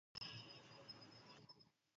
يا عمادي صح عني أنني